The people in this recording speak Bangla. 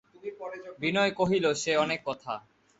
বিনয় কহিল, সে অনেক কথা।